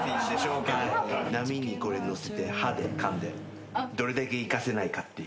波にこれ乗せて歯でかんでどれだけ行かせないかっていう。